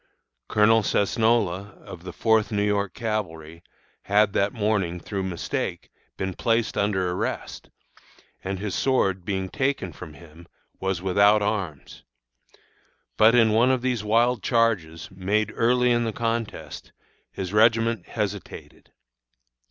Colonel Cesnola, of the Fourth New York Cavalry, had that morning, through mistake, been placed under arrest, and, his sword being taken from him, was without arms. But in one of these wild charges, made early in the contest, his regiment hesitated.